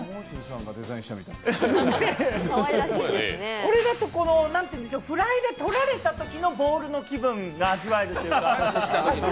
これだと、フライで取られたときのボールの気分が味わえるというか。